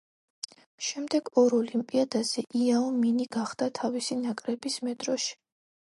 შემდეგ ორ ოლიმპიადაზე იაო მინი გახდა თავისი ნაკრების მედროშე.